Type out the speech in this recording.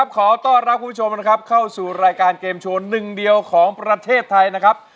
ขอต้อนรับคุณผู้ชมนะครับเข้าสู่รายการเกมโชว์หนึ่งเดียวของประเทศไทยนะครับ